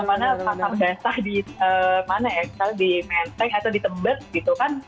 mana pasar desa di mana ya misalnya di menteng atau di tebet gitu kan